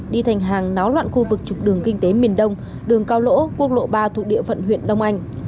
đi thành hàng náo loạn khu vực trục đường kinh tế miền đông đường cao lỗ quốc lộ ba thuộc địa phận huyện đông anh